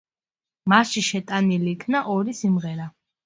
მასში შეტანილი იქნა ორი სიმღერა.